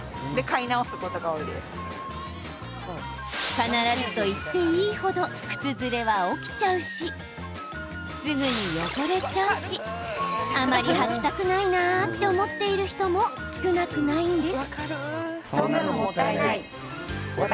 必ずと言っていい程靴ずれは起きちゃうしすぐに汚れちゃうしあまり履きたくないなって思っている人も少なくないんです。